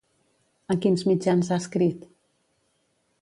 En quins mitjans ha escrit?